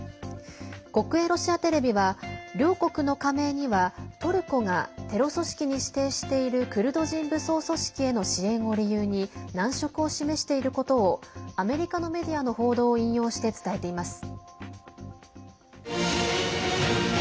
国営ロシアテレビは両国の加盟にはトルコがテロ組織に指定しているクルド人武装組織への支援を理由に難色を示していることをアメリカのメディアの報道を引用して伝えています。